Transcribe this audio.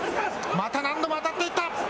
また何度も当たっていった。